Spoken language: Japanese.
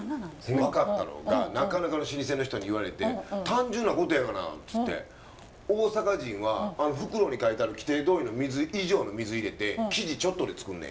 分かったのがなかなかの老舗の人に言われて「単純なことやがな」っつって「大阪人はあの袋に書いてある規定どおりの水以上の水入れて生地ちょっとで作んねん」